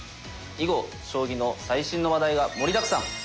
囲碁将棋の最新の話題が盛りだくさん。